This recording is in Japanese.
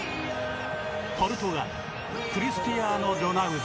ポルトガルクリスティアーノ・ロナウド。